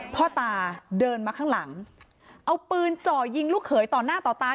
พ่อตาเดินมาข้างหลังเอาปืนจ่อยิงลูกเขยต่อหน้าต่อตา